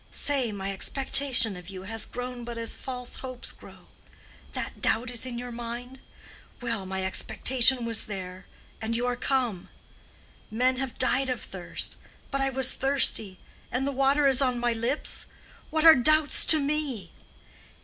Say, my expectation of you has grown but as false hopes grow. That doubt is in your mind? Well, my expectation was there, and you are come. Men have died of thirst. But I was thirsty, and the water is on my lips! What are doubts to me?